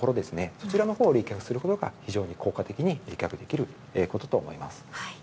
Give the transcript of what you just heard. そちらのほうを冷却することが非常に効果的に冷却できることと思います。